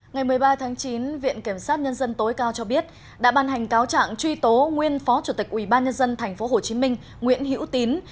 ngày một mươi ba tháng chín viện kiểm sát nhân dân tối cao cho biết đã bàn hành cáo trạng truy tố nguyên phó chủ tịch ủy ban nhân dân tp hcm nguyễn hữu tín